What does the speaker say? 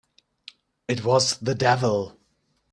It was the devil!